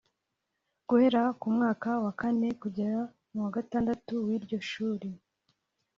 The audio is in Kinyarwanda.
Guhera ku mwaka wa kane kugera mu wa gatandatu w’iryo shuri